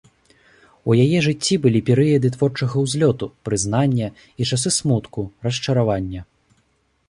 У яе жыцці былі перыяды творчага ўзлёту, прызнання і часы смутку, расчаравання.